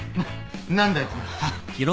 何だよこれは。